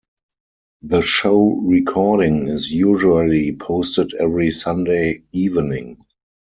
The show recording is usually posted every Sunday evening.